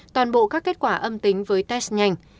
toàn bộ các kết quả âm tính với test nhanh